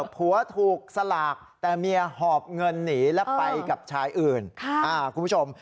ผัวถูกสลากแต่เมียหอบเงินหนีและไปกับชายอื่นคุณผู้ชม